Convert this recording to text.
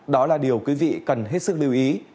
đó là điều quý vị cần hết sức lưu ý